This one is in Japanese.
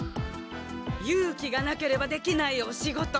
ゆうきがなければできないお仕事。